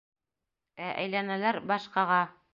Ә әйләнәләр... башҡаға.